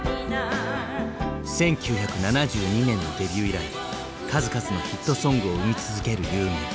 １９７２年のデビュー以来数々のヒットソングを生み続けるユーミン。